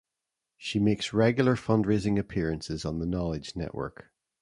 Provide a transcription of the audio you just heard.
She makes regular fundraising appearances on the Knowledge Network.